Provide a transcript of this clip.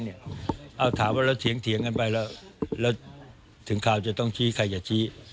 เอาถามว่าเราเถียงกันไปแล้วแล้วถึงข่าวจะต้องชี้ใครจะชี้